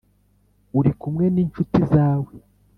Uri kumwe n’ incuti zawe.